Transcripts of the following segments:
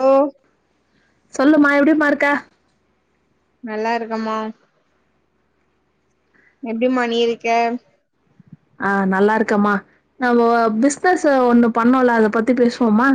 Hello சொல்லுமா எப்புடிமா இருக்க நல்லா இருக்கமா எப்புடிமா நீ இருக்க ஆ நல்லா இருக்கம்மா நம்ம ஒ பிஸ்னஸ்ஸு ஒண்ணு பண்ணோல்ல அத பத்தி பேசுவோம்மா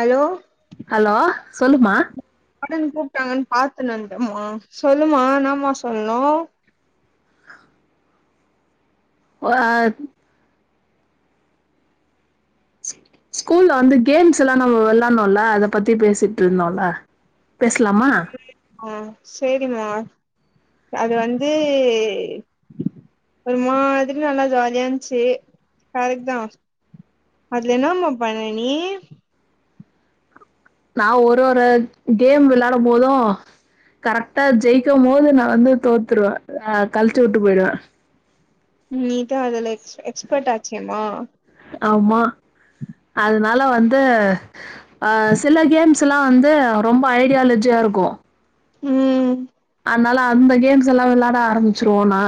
அலோ அலோ சொல்லுமா கடன் கூப்புட்டாங்கன் பாத்துணும்டம்மா சொல்லுமா என்னமா சொல்ணு ஓ அத் ஸ்கூல்ல வந்து கேம்ஸ் எல்லா நம்ம வெளாணோல்ல அத பத்தி பேசிட் இருந்தோல்ல ஆ சேரிம்மா அது வந்து ஒரு மாதிரி நல்லா ஜாலியா இருஞ்சு கரெக்ட்தா அதுல என்னமா பண்ண நீ நா ஒரு ஒரு கேம் வெளையாடும் போது கரெக்டா ஜெயிக்கும் போது நா வந்து தோத்துருவ ஆ கழுச்சு உட்டு போயிருவ நீதா அதுல எக்ஸ் எக்ஸ்பர்ட் ஆச்சேம்மா ஆமா அதனால வந்து ஆ சில கேம்ஸ் த்துலா வந்து ரொம்ப ஐடியாலஜியா இருக்கு ம் அதனால அந்த கேம்ஸ் எல்லா வெளாட ஆரம்பிச்சிருவோ நா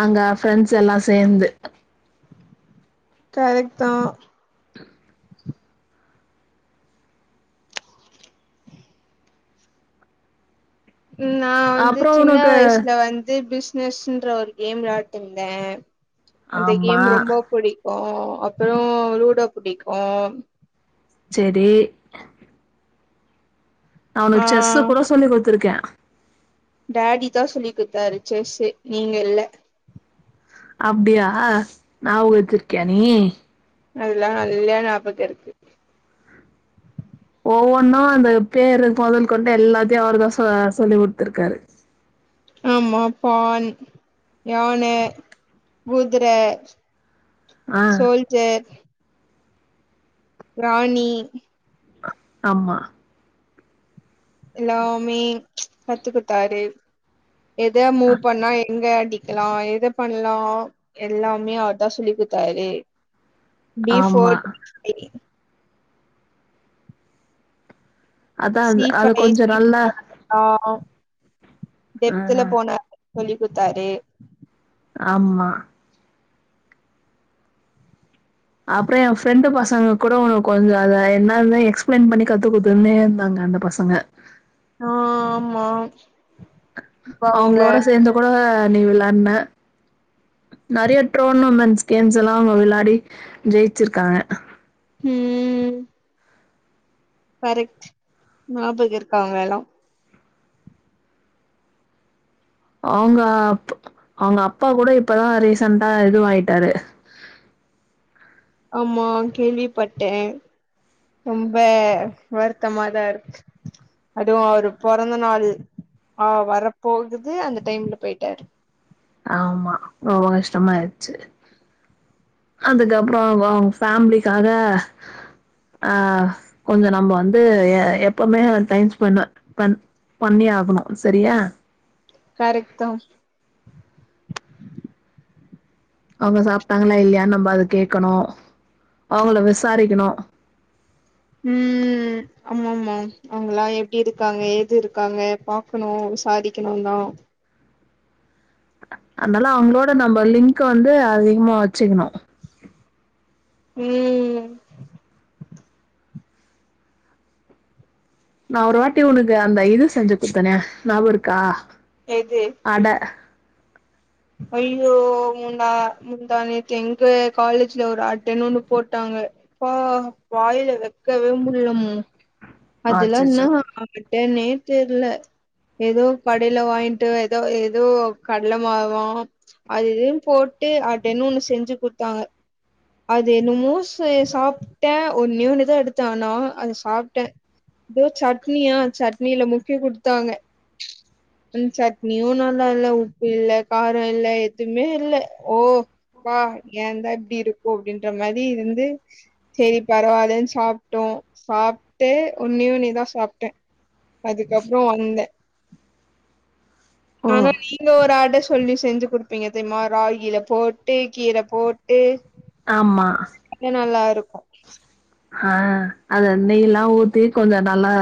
அங்க ஃப்ரெண்ட்ஸ் எல்லா சேந்து கரெக்ட்தா [unintelligible] நா வந்து அப்றோ சின்ன உனக்கு வயிசுல வந்து பிஸ் பிஸ்ன்ற ஒரு கேம் வெளையாட்டிருந்த அந்த ஆமா கேம் ரொம்ப புடி க்கு அப்புறோ லூடோ புடிக்கு சேரி நா ஆ உனுக்கு செஸ்ஸு கூட சொல்லி குடுத்துருக்கே டேடி தா சொல்லி குத்தாரு செஸ்ஸு நீங்க இல்ல அப்டியா ஞாபகொ வச்சுருக்கியா நீ அதுல்லா நல்லா ஞாபக இருக்கு ஒவ்வொன்னு அந்த பேரு பொதல் கொண்டு எல்லாத்தையு அவர் தா சொ சொல்லி குடுத்துருக்காரு ஆமா பான் யான குதுர ஆ சோல்ஜர் ராணி ஆமா எல்லாமே கத்துகுத்தாரு எத மூவ் பண்ணா எங்க அடிக்லா எத பண்லா எல்லாமே அவர்தா சொல்லி குத்தாரு பி ஆமா ஃபோர் [unintelligible] அதா சி அது ஃபைவ் கொஞ்ச நல்லா ஆ டெப்துல ஆ போனாரு சொல்லி குத்தாரு ஆமா அப்றொ எ ஃப்ரெண்டு பசங்க கூட உனு கொஞ்சொ அத என்னாந்த எக்ஸ்ப்ளைன் பண்ணி கத்து குத்துன்னே இருந்தாங்க அந்த பசங்க ஆ ஆமா இப்ப அவங்க அவுங்களோட சேந்து கூட நீ விளாட்ன நெறைய டோர்னமென்ட்ஸ் கேம்ஸ் எல்லா அவுங்க வெளாடி ஜெயிச்சிருக்காங்க ம் ம் ம் கரெக்ட் ஞாபக இருக்கு அவுங்க எல்லா அவுங்க அப் அவுங்க அப்பா கூட இப்பதா ரீசன்ட்டா இதுவாயிட்டாரு ஆமா கேள்விப்பட்டே ரொம்ப வருத்தமாதா இருக்கு அதுவு அவரு பொறந்த நாளு ஆ வரப்போகுது அந்த டைம்ல போயிட்டாரு ஆமா ரொம்ப கஷ்டமாயிருச்சு அதுக்கப்றொ அவுங்க ஃபேமிலிக்காக ஆ கொஞ்ச நம்ம வந்து எப்பவ்மே டைம் ஸ்பெண் பண் பண்ணியே ஆகணு சரியா கரெக்ட்தா அவுங்க சாப்டாங்களா இல்லையா நம்ப அத கேக்கணு அவுங்கள விசாரிக்கணு ம் ஆமமா அவுங்கலா எப்டி இருக்காங்க ஏது இருக்காங்க பாக்கணு விசாரிக்கனுந்தா அதுனால அவுங்களோட நம்ப லிங்க் வந்து அதிகமா வச்சுக்கணு ம் நா ஒரு வாட்டி ஒனக்கு அந்த இது செஞ்சு குத்தனே ஞாப இருக்கா எது அட ஐயோ முண்டா முந்தா நேத்து எங்க காலேஜ்ல ஒரு அட்டன்னு ஒன்னு போட்டாங்கப்ப வாயில வைக்கவே முடியமும் அதுெல்லாம்ன்ன அச்சச்சோ என்னே தெரியல ஏதோ கடையில வாங்கிட்டு ஏதோ ஏதோ கடலை மாவம் அது எதுையும் போட்டு அடன்னு ஒண்ணு செஞ்சு குடுத்தாங்க அது என்னமோ சாப்பிட்டேன் ஒன்னூன்னுதான் எடுத்த ஆனா அதை சாப்பிட்டேன் இதோ சட்னியா சட்னியில முக்கிய குடுத்தாங்க அ சட்னியும் நல்லா இல்ல உப்பு இல்லை காரம் இல்லை எதுவுமே இல்லை ஓப்ப ஏ தான் இப்படி இருக்கும் அப்படின்ற மாதிரி இருந்து சரி பரவாயில்ன்னு சாப்பிட்டோம் சாப்பிட்டு உன்னி உண்ணிதான் சாப்பிட்டேன் அதுக்கப்புறம் வந்தேன் ஓ ஆனா நீங்க ஒரு ஆட சொல்லி செஞ்சு கொடுப்பீங்க தெயமா ராகில போட்டு கீரை போட்டு ஆமா இது நல்லா இருக்கும் ஆஹ் அத நெய் எல்லாம் ஊத்தி கொஞ்சம் நல்லா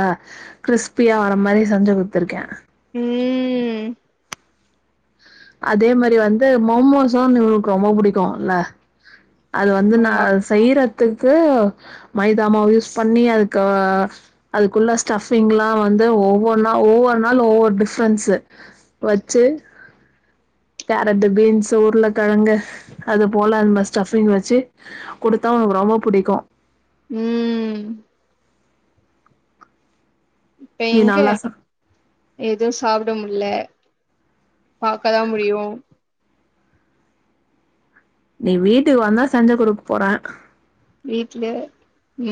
கிறிஸ்பியா வர மாதிரி செஞ்சு கொத்துருக்கேன் உம் அதே மாதிரி வந்து மோமோஸும் உளுக்கு ரொம்ப பிடிக்கும் இல்ல அது வந்து ந ஆமா சைர துத்துக்கு மைதாமாவ யூஸ் பண்ணி அதுக்கு அதுக்குள்ள ஸ்டபிங் எல்லாம் வந்து ஒவ்வொரு நாள் ஒவ்வொரு நாள் ஒவ்வொரு டிஃபரென்ஸ் வச்சு கேரட் பீன்ஸ் உருளைக்கிழங்கு அது போல அந்த மாதிரி ஸ்டபிங் வச்சு கொடுத்தா உனக்கு ரொம்ப பிடிக்கும் உம் இப்ப நீ எங்க நல்லா சா எதுவும் சாப்பிட முல பாக்கதான் முடியும் நீ வீட்டுக்கு வந்தா செஞ்சை குடுக்கு போரேன் வீட்டு்ல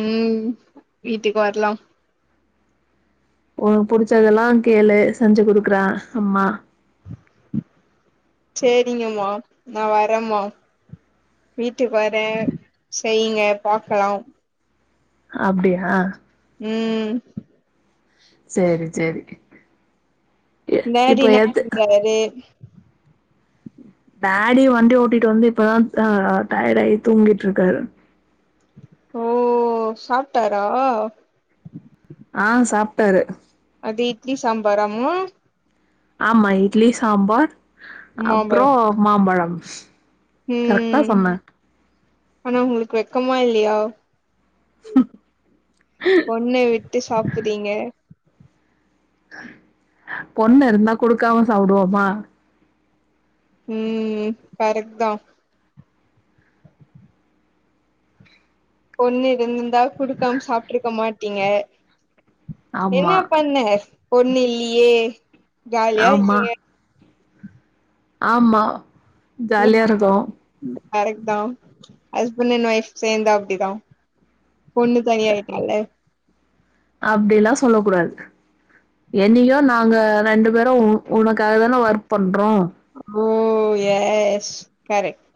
உம் வீட்டுக்கு வரலாம் உனக்கு புடிச்சதெல்லாம் கேளு செஞ்சு குடுக்குறன் அம்மா சரிங்கமா நான் வரேன்மா வீட்டுக்கு வரேன் செய்யுங்க பாக்கலாம் அப்படியா உம் சரி சரி மேடின பக்கேது டாடி வண்டி ஓட்டிட்டு வந்து இப்பதான் ஆஹ் டேடகி தூங்கிட்டு இருக்காரு உஉ உ சாப்ட்டாரா ஆஹ் சாப்ட்டாரு து இட்லி சாம்பார அம்மு ஆம்மா இட்லி சாம்பார் அப்ற மாம்பழ மாம்பழம் கரெக்டா ம் சொன்ன ஆனா உங்களுக்கு வெக்கமா இல்லயா [inaudible] பொண்ண விட்டு சாப்புறீங்க பொண்ணு இருந்தா குடுக்காம சாப்டுவோமா ம் ம் ம் கரெக்ட் தா பொண்ணு இருந்துந்த குடுக்காம சாப்ட்ருக்க மாட்டீங்க என்ன ஆமா பண்ண பொண்ணு இல்லியே ஜாலியா இருக்கீங்க ஆம்மா இது ஜாலியா இருக்கு கரெக்ட் தா ஹஸ்பண்ட் அண்ட் வைஃப் சேந்த அப்டி தா பொண்ணு தனியனாலே அப்டிலா சொல்ல கூடாது என்னைக்கு நாங்க ரெண்டு பேரு. உ உனக்காக தா ஒர்க் பண்றோ ஆ ம் எஸ் கரெக்ட்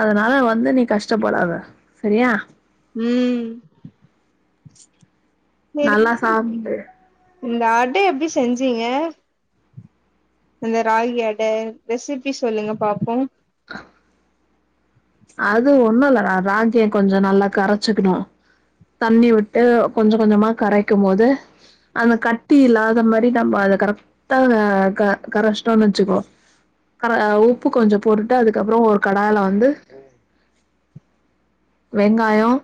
அதனால வந்து நீ கஷ்டபடத சரியா ம் [inaudible] சரி நல்லா சாப்ட்டு இந்த அ்டை எப்டி செஞ்சீங்க அந்த ராகி அடை ரெசிப்பி சொல்லுங்க பாப்போ ஆ அது ஒண்ணு இல்ல ரா ராகியா கொஞ்ச நல்லா கரைச்சுக்கணு தண்ணி விட்டு கொஞ்ச கொஞ்சமா கரைக்கும் போது அந்த கட்டி இல்லாத மாரி நம்ம அத கரெக்ட்டா ஆ க கரைச்சிட்டோம்ன் வச்சுக்கோ கர அ உப்பு கொஞ்ச போட்டுட்டு அதுக்கப்புற ஒரு கடாய்ல வந்து வெங்காயம்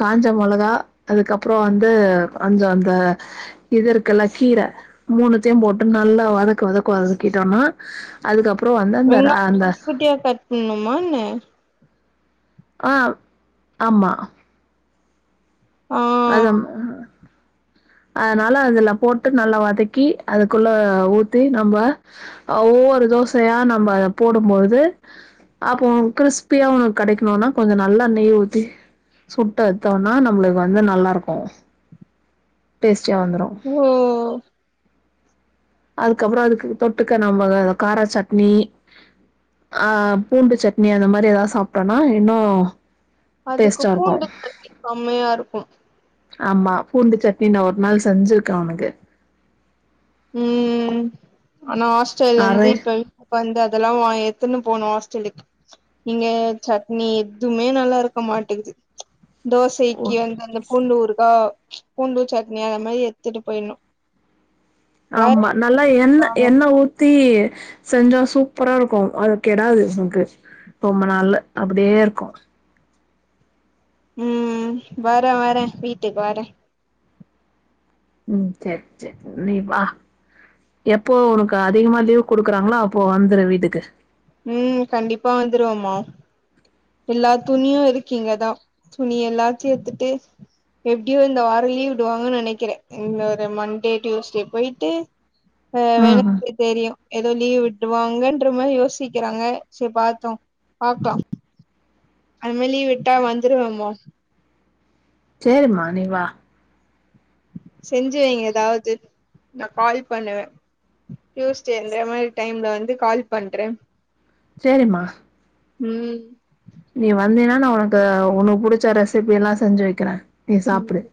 காஞ்ச மொளகா அதுக்கப்புற வந்து கொஞ்ச அந்த இது இருக்கு லா கீரை மூணுத்தையு போட்டு நல்லா வதக்கு வதக்கு வதக்கிட்டோனா அதுக்கப் வெங்காய குட்டி குட்டியா கட் பண்ணணுமா என்ன ஆ ஆம்மா ஆ அது ப் அதனால அதுல போட்டு நல்லா வதக்கி அதுக்குள்ள ஊத்தி நம்ப ஒவ்வொரு தோசையா நம்ம போடும்போது அப்போ கிறிஸ்பியா உனக்கு கெடைக்கணுனா கொஞ்ச நல்லா நெய் ஊத்தி சுட்ட எத்தோனா நம்மளு வந்து நல்லா இருக்கு டேஸ்ட் ச்ச வந்துரு ஓ அதுக்கப்புற அதுக் தொட்டுக்க நம்பா காரா சட்னி ஆ பூண்டு சட்னி அந்த மாரி ஏதாவது சாப்ட்டோனா இன்னு அதுக்கு டேஸ்ட்டா இருக்கு பூண்டு சட்னி செம்மயா இருக்கும் ஆமா பூண்டு சட்னி நா ஒரு நாள் செஞ்சிருக்கே ஒனக்கு ம்ம்ம்ம்ம் ஆனா ஹாஸ்டல்லா இருந்து நெறை இப்ப வந்த அதெல்லா வா எத்துன்னு போனு ஹாஸ்டல்லுக்கு இங்க சட்னி எதுமே நல்லா இருக்க மாட்டேங்கது தோசைக்கு வந்து அந்த பூண்டூ ஊருகா பூண்டு சட்னி அ அந்த மாரி எத்துட்டு போய்னோ ஆமா நல்லா எண்ண எண்ண ஊத்தி செஞ்சா சூப்பரா இருக்கு அது கெடாது உனக்கு ரொம்ப நாள் அப்பிடியே இருக்கு ம் வரே வரே வீட்டுக்கு வரே ம் சேரி சேரி நீப்பா எப்போ உனக்கு அதிகமா லீவ் குடுக்குறாங்களோ அப்போ வந்துரு வீட்டுக்கு ம் கண்டிப்பா வந்துருவோமா ல்லா துணியு இருக்கீங்கதா துணி எல்லாத்துட்டு எப்பிடியோ இந்த வாரலீவு விடுவாங்கன்னு நெனைக்கிறே இந்த ஒரு மண்டே டியூஸ்டே போயிட்டு ஆ ம் ம் [unintelligible] தெரியு ஏதோ லீவ் விட்டுவாங்கன்ற மாரி யோசிக்கிறாங்க சோ பாத்தோ பாக்கலாம் அதுமலி லீவ் விட்டா வந்துருவேமோ சேரிமா நீ வா செஞ்சிவைங்க ஏதாவது நா கால் பண்ணுவே ட்யூஸ்டே இந்த மாரி டைம்ல வந்து கால் பண்றே சேரிம்மா ம் நீ வந்தீனா நா உனக்கு உனு புடிச்ச ரெசிபில்லா செஞ்சி வைக்கிறே நீ சாப்புடு ம்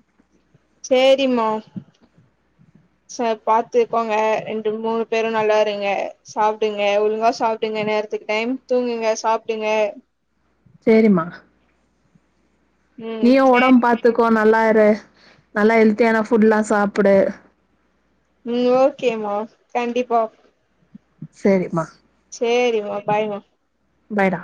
சேரிம்மா ச பாத்துக்கோங்க ரெண்டு மூணு பேரும் நல்லா இருங்க சாப்புடுங்க ஒழுங்கா சாப்புடுங்க நேரத்துக்கு டைம் தூங்குங்க சாப்புடுங்க சேரிம்மா ம் நீயும் ஒடம் சேரி பாத்துக்கோ நல்லா இ ரே நல்லா ஹெல்த்தியான ஃபுட்லா சாப்புடு ம் ஓகேம்மா கண்டிப்பா சரிம்மா சேரிம்மா பாய்ம்மா பாய் டா